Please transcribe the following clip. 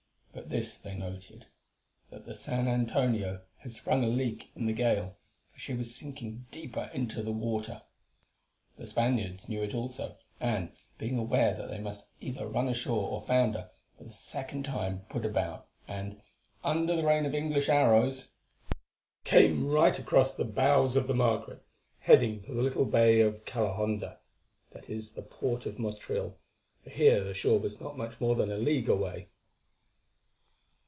But this they noted—that the San Antonio had sprung a leak in the gale, for she was sinking deeper in the water. The Spaniards knew it also, and, being aware that they must either run ashore or founder, for the second time put about, and, under the rain of English arrows, came right across the bows of the Margaret, heading for the little bay of Calahonda, that is the port of Motril, for here the shore was not much more than a league away.